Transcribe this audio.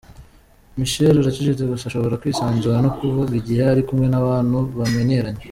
Michelle aracecetse gusa ashobora kwisanzura no kuvuga igihe ari kumwe n’abantu bamenyeranye.